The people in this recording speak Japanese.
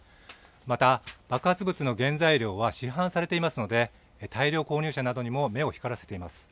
また、爆発物の原材料は市販されていますので大量購入者などにも目を光らせています。